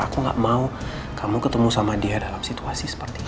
aku gak mau kamu ketemu sama dia dalam situasi seperti ini